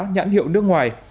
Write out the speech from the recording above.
nhãn hiệu nước ngoài